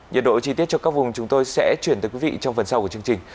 nhiệt độ chi tiết cho các vùng chúng tôi sẽ chuyển tới quý vị trong phần sau của chương trình